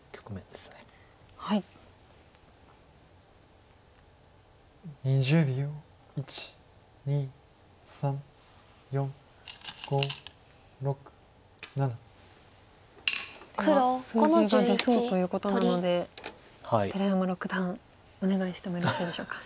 では数字が出そうということなので寺山六段お願いしてもよろしいでしょうか。